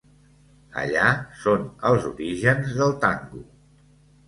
Allà són els orígens del tango.